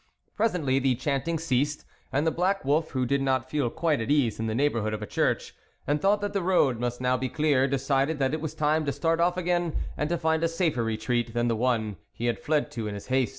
Presently the chanting ceased, and the black wolf, who did not feel quite at ease in the neighbourhood of a church, and thought that the road must now be clear, decided that it was time to start off again and to find a safer retreat than the one he had fled to in his haste.